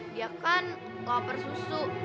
dia kan loper susu